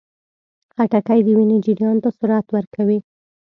خټکی د وینې جریان ته سرعت ورکوي.